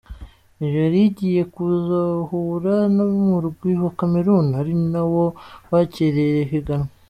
Nigeria igiye kuzohura n'umurwi wa Cameroun, ari nawo wakiriye iri higanwa.